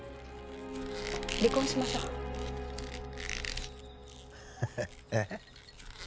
離婚しましょうええ？